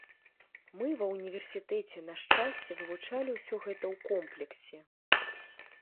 Мы ва ўніверсітэце, на шчасце, вывучалі ўсё гэта ў комплексе.